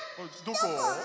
どこ？